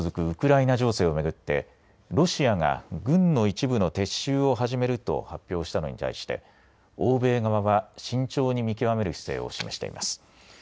ウクライナ情勢を巡ってロシアが軍の一部の撤収を始めると発表したのに対して欧米側は慎重に見極める姿勢を示しています。